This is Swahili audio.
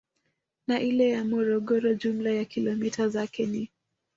Na ile ya Morogoro jumla ya kilomita zake ni